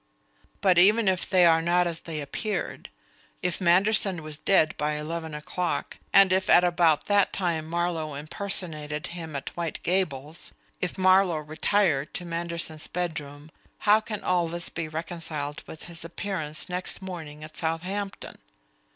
But even if they were not as they appeared; if Manderson was dead by eleven o'clock, and if at about that time Marlowe impersonated him at White Gables; if Marlowe retired to Manderson's bedroom how can all this be reconciled with his appearance next morning at Southampton?